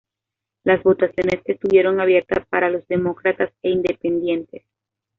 Las votaciones estuvieron abierta para los Demócratas e Independientes.